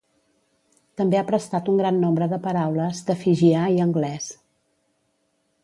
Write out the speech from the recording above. També ha prestat un gran nombre de paraules de fijià i anglès.